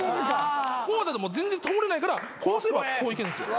こうだともう全然通れないからこうすればこう行けるんですよ。